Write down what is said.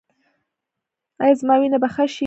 ایا زما وینه به ښه شي؟